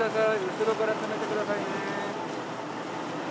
後ろから詰めてくださいね